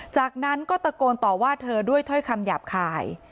จากนั้นก็ตะโกนต่อว่าเธอด้วยถ้อยคำหยาบคาย